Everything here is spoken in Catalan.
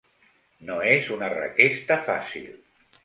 No és una requesta fàcil.